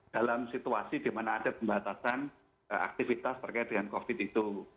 dalam situasi di mana ada pembatasan aktivitas terkait dengan covid itu